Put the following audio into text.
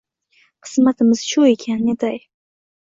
Qismatimiz shu ekan netay